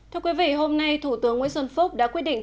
thưa quý vị hôm nay thủ tướng nguyễn xuân phúc đã quyết định